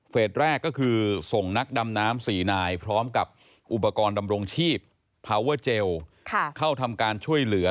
แรกก็คือส่งนักดำน้ำ๔นายพร้อมกับอุปกรณ์ดำรงชีพพาวเวอร์เจลเข้าทำการช่วยเหลือ